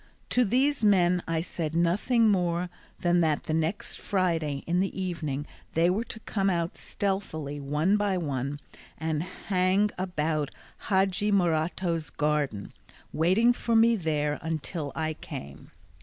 To these men I said nothing more than that the next Friday in the evening they were to come out stealthily one by one and hang about Hadji Morato's garden, waiting for me there until I came.